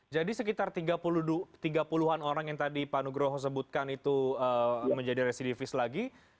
jadi sekitar tiga puluh an orang yang tadi pak nugroh sebutkan itu menjadi residivis lagi